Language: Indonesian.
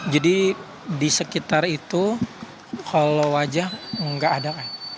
jadi di sekitar itu kalau wajah enggak ada